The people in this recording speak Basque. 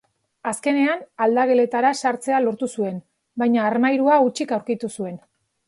Azkenean aldageletara sartzea lortu zuen, baina armairua hutsik aurkitu zuen.